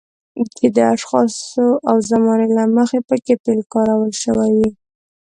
چې د اشخاصو او زمانې له مخې پکې فعل کارول شوی وي.